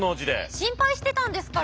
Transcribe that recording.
心配してたんですから。